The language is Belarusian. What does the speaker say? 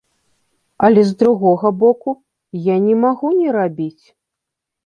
Але з другога боку, я не магу не рабіць.